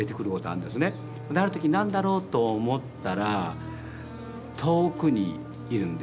ある時何だろうと思ったら遠くにいるんですね。